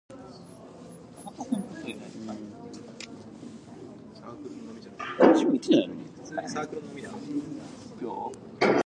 James is kidnapped by Selene's Inner Circle and taken to Genosha.